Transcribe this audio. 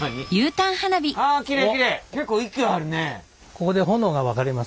ここで炎が分かれます。